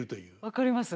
分かります。